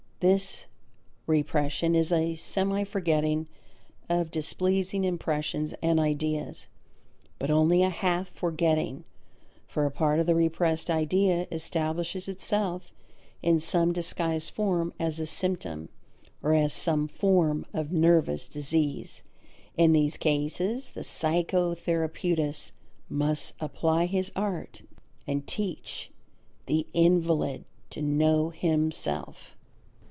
This "repression" is a semi forgetting of displeasing impressions and ideas. But only a half forgetting. For a part of the repressed idea establishes itself in some disguised form as a symptom or as some form of nervous disease. In these cases the psychotherapeutist must apply his art and teach the invalid to know himself.